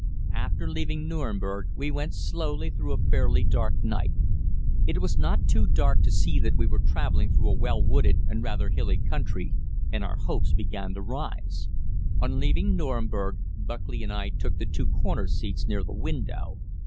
After leaving Nüremberg we went slowly through a fairly dark night. It was not too dark to see that we were traveling through a well wooded and rather hilly country, and our hopes began to rise. On leaving Nüremberg, Buckley and I took the two corner seats near the window.